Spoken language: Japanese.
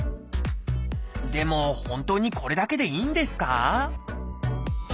でも本当にこれだけでいいんですか？